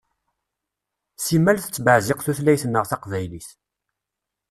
Simmal tettbeɛziq tutlayt-nneɣ taqbaylit.